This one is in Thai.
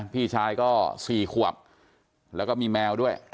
พี่ชายก็๔ขวบแล้วก็มีแมวด้วย